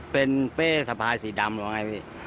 เป็นเป้สภาษีดำหรือเปล่าไงพี่